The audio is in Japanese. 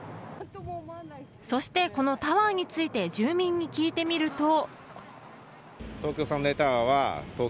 そして、このタワーについて住民に聞いてみると。